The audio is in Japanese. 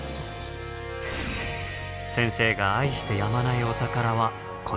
先生が愛してやまないお宝はこちら。